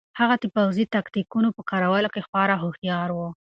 هغه د پوځي تکتیکونو په کارولو کې خورا هوښیار و.